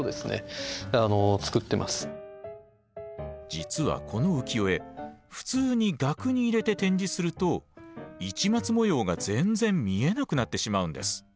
実はこの浮世絵普通に額に入れて展示すると市松模様が全然見えなくなってしまうんです。